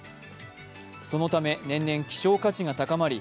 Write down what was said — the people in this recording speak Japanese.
そのため年々希少価値が高まり